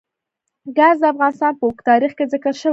ګاز د افغانستان په اوږده تاریخ کې ذکر شوی دی.